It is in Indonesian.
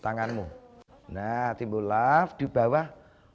nah simbol love di bawah